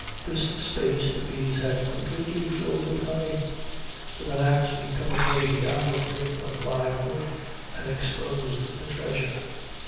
This space the bees had completely filled with honey. With an ax we cut away the outer ring of live wood and exposed the treasure.